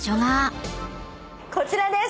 こちらです！